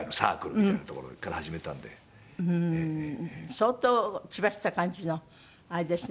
相当血走った感じのあれですね